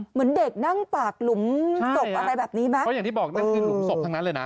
เหมือนเด็กนั่งปากหลุมศพ